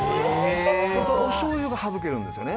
おしょう油が省けるんですよね。